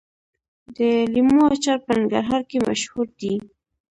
د لیمو اچار په ننګرهار کې مشهور دی.